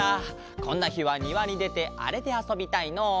こんなひはにわにでてあれであそびたいのう。